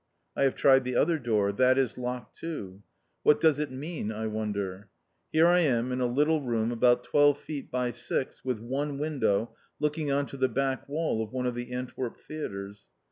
I have tried the other door. That is locked, too. What does it mean, I wonder? Here I am in a little room about twelve feet by six, with one window looking on to the back wall of one of the Antwerp theatres.